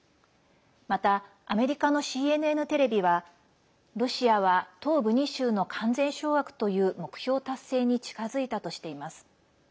また、アメリカのＣＮＮテレビはロシアは東部２州の完全掌握という目標達成に近づいたとしています。